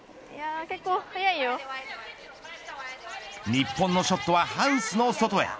日本のショットはハウスの外へ。